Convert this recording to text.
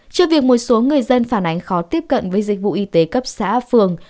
trước việc một số người dân phản ánh khó tiếp cận với dịch vụ y tế cấp xã phường